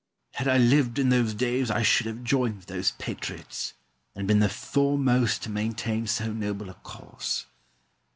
Argyle. Had I lived in those days I should have joined with those patriots, and been the foremost to maintain so noble a cause.